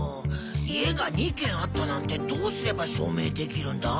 家が２軒あったなんてどうすれば証明できるんだ？